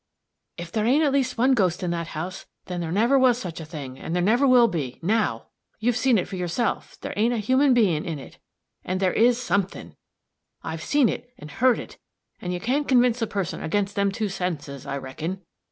"If there ain't at least one ghost in that house, then there never was such a thing, and there never will be now! You've seen for yourself there ain't a human being in it and there is something! I've seen it and heard it, and you can't convince a person against them two senses, I reckon."